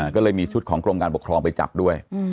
ก็เลยมีชุดของกรมการปกครองไปจับด้วย